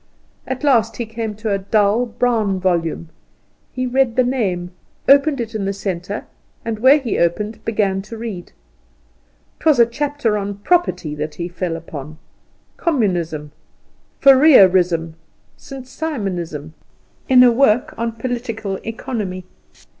At last he came to a dull, brown volume. He read the name, opened it in the centre, and where he opened began to read. It was a chapter on property that he fell upon Communism, Fourierism, St. Simonism, in a work on Political Economy.